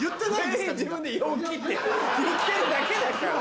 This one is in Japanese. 全員自分で「陽気」って言ってるだけだから。